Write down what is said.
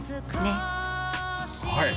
はい！